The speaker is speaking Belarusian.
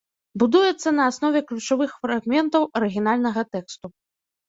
Будуецца на аснове ключавых фрагментаў арыгінальнага тэксту.